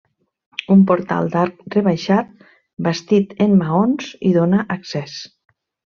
Un portal d'arc rebaixat bastit en maons hi dóna accés.